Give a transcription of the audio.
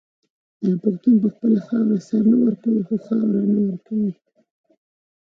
آیا پښتون په خپله خاوره سر نه ورکوي خو خاوره نه ورکوي؟